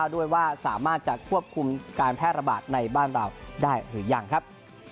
ด้วยว่าสามารถจะควบคุมการแพร่ระบาดในบ้านเราได้หรือยังครับ